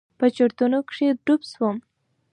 په چورتونو کښې ډوب سوم.